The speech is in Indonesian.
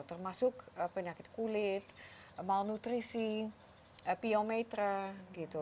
termasuk penyakit kulit malnutrisi epiometer gitu